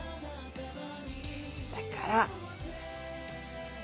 だから。